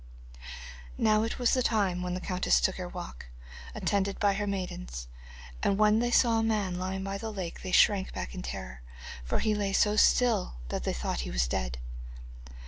Now it was the time when the countess took her walk, attended by her maidens, and when they saw a man lying by the lake they shrank back in terror, for he lay so still that they thought he was dead.